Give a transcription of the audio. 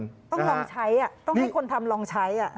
ต้องลองใช้ต้องให้คนทำลองใช้